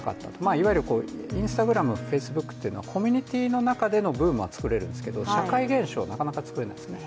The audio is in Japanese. いわゆるＩｎｓｔａｇｒａｍ、Ｆａｃｅｂｏｏｋというのはコミュニティーの中でのブームは作れるんですけど社会現象、なかなか作れないですね。